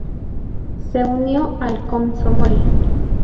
Se unió al Komsomol.